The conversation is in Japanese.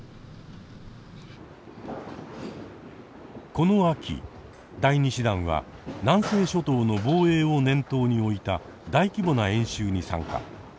この秋第２師団は南西諸島の防衛を念頭に置いた大規模な演習に参加。